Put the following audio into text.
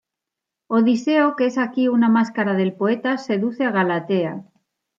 Odiseo, que es aquí una máscara del poeta, seduce a Galatea.